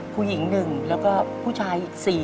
ผู้หญิง๑แล้วก็ผู้ชายอีก๔